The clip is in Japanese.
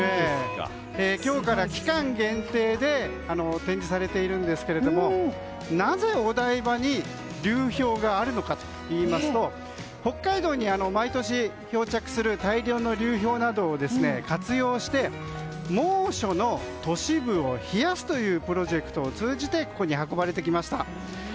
今日から期間限定で展示されているんですけどなぜお台場に流氷があるのかといいますと北海道に毎年漂着する大量の流氷などを活用して、猛暑の都市部を冷やすというプロジェクトを通じてここに運ばれてきました。